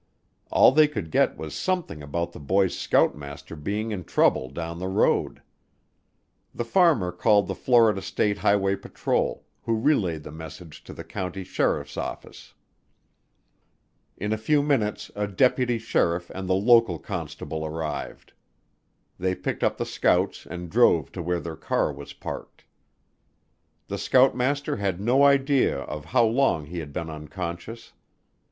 All they could get was something about the boys' scoutmaster being in trouble down the road. The farmer called the Florida State Highway Patrol, who relayed the message to the county sheriff's office. In a few minutes a deputy sheriff and the local constable arrived. They picked up the scouts and drove to where their car was parked. The scoutmaster had no idea of how long he had been unconscious.